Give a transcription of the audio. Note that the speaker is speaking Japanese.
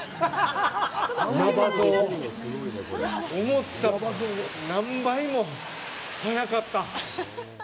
思った何倍も速かった。